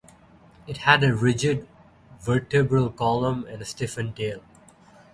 It had a rigid vertebral column, and a stiffened tail.